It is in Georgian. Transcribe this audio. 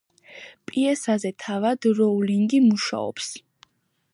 პიესაზე თავად როულინგი მუშაობს.